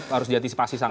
harus diantisipasi sangat